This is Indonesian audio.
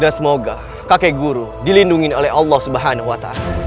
dan semoga kakek guru dilindungi oleh allah swt